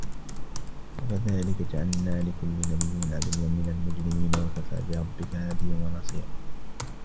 وَكَذَلِكَ جَعَلْنَا لِكُلِّ نَبِيٍّ عَدُوًّا مِنَ الْمُجْرِمِينَ وَكَفَى بِرَبِّكَ هَادِيًا وَنَصِيرًا